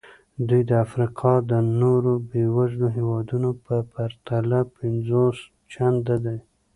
دوی د افریقا د نورو بېوزلو هېوادونو په پرتله پنځوس چنده دي.